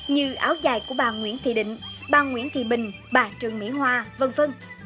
như áo dài của bà nguyễn thị định bà nguyễn thị bình bà trương mỹ hoa v v